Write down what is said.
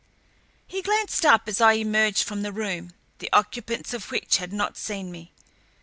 He glanced up as I emerged from the room, the occupants of which had not seen me.